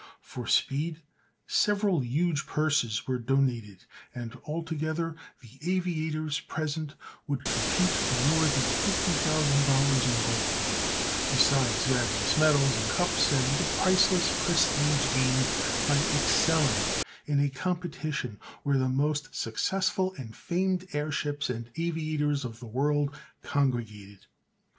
For speed several huge purses were donated, and altogether the aviators present would compete for more than fifty thousand dollars in gold, besides various medals and cups and the priceless prestige gained by excelling in a competition where the most successful and famed airships and aviators of the world congregated.